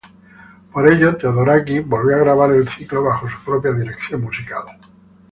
Por ello Theodorakis volvió a grabar el ciclo bajo su propia dirección musical.